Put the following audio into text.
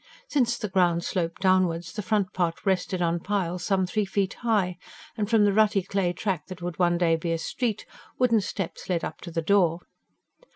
Since the ground sloped downwards, the front part rested on piles some three feet high, and from the rutty clay track that would one day be a street wooden steps led up to the door.